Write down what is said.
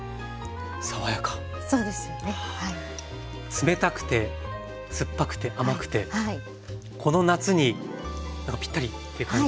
冷たくて酸っぱくて甘くてこの夏にぴったりという感じですね。